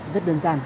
rất đơn giản